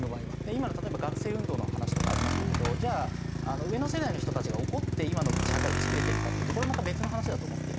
今の例えば学生運動の話とかありましたけどじゃあ上の世代の人たちが怒って今の社会を作れてるかっていうとこれまた別の話だと思っていて。